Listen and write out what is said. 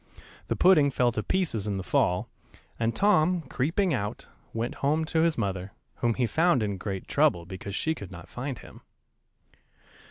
The pudding fell to pieces in the fall, and Tom, creeping out, went home to his mother, whom he found in great trouble, because she could not find him.